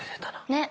ねっ。